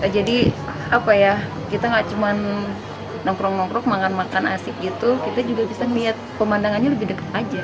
jadi apa ya kita gak cuma nongkrong nongkrong makan makan asik gitu kita juga bisa melihat pemandangannya lebih dekat aja